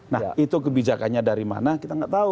nah itu kebijakannya dari mana kita nggak tahu